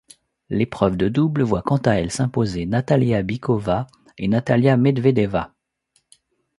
L'épreuve de double voit quant à elle s'imposer Natalia Bykova et Natalia Medvedeva.